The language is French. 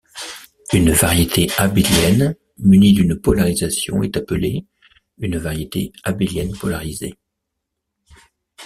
Une variété abélienne munie d'une polarisation est appelée une variété abélienne polarisée.